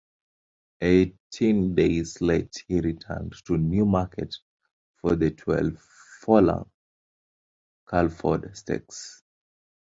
Eighteen days late he returned to Newmarket for the twelve furlong Culford Stakes.